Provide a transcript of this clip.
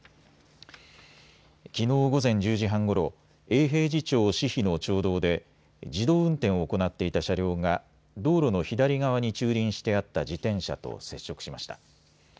きのう午前１０時半ごろ、永平寺町志比の町道で自動運転を行っていた車両が道路の左側に駐輪してあった自転車と接触しました。